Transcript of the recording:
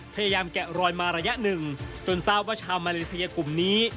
แกะรอยมาระยะหนึ่งจนทราบว่าชาวมาเลเซียกลุ่มนี้